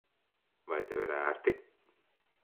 Vai tev ir ērti?